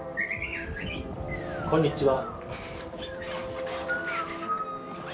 「こんにちは」。